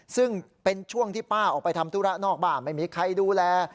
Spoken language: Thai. ซึ่งเป็นช่วงที่ป้าออกไปทำธุระนอกบ้านไม่มีใครดูแล